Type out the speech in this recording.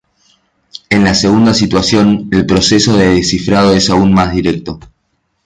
En la segunda situación, el proceso de descifrado es aún más directo.